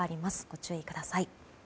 ご注意ください。